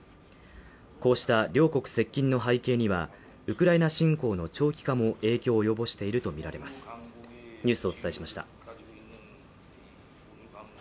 こうした両国接近の背景にはウクライナ侵攻の長期化も影響を及ぼしていると見られますジャーン！